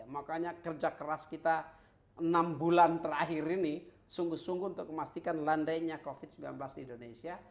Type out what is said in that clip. makanya kerja keras kita enam bulan terakhir ini sungguh sungguh untuk memastikan landainya covid sembilan belas di indonesia